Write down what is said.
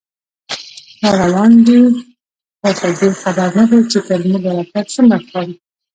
راروان دی خو په دې خبر نه دی، چې تر موږه راتګ څومره خواري